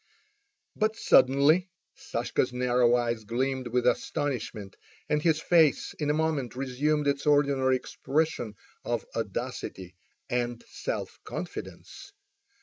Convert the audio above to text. But suddenly Sashka's narrow eyes gleamed with astonishment, and his face in a moment resumed its ordinary expression of audacity and self confidence.